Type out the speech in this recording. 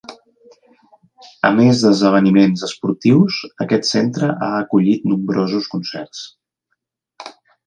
A més d'esdeveniments esportius, aquest centre ha acollit nombrosos concerts.